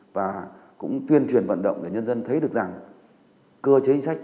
và cũng tuyên truyền vận động để nhân dân thấy được rằng cơ chế chính sách